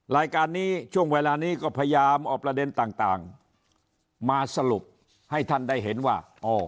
รายการนี้ช่วงเวลานี้ก็พยายามเอาประเด็นต่างมาสรุปให้ท่านได้เห็นว่า